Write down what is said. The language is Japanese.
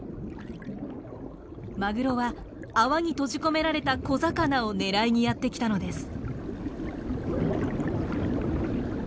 マグロは泡に閉じ込められた小魚を狙いにやって来たのです。